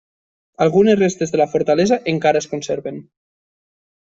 Algunes restes de la fortalesa encara es conserven.